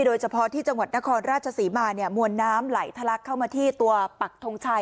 โดยเฉพาะที่จังหวัดนครราชศรีมาเนี่ยมวลน้ำไหลทะลักเข้ามาที่ตัวปักทงชัย